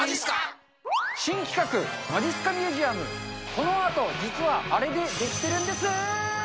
新企画、まじっすかミュージアム、このアート実はあれでできてるんですー。